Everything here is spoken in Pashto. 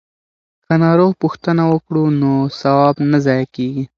که ناروغ پوښتنه وکړو نو ثواب نه ضایع کیږي.